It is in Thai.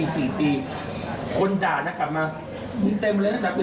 ตอนเดือน